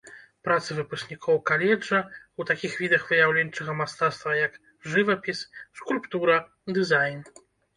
Працы выпускнікоў каледжа ў такіх відах выяўленчага мастацтва, як жывапіс, скульптура, дызайн.